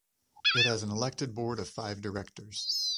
It has an elected board of five directors.